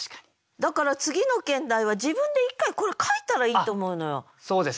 だから次の兼題は自分で一回これを書いたらいいと思うのよ。